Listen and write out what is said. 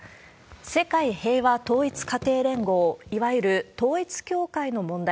世界平和統一家庭連合、いわゆる統一教会の問題。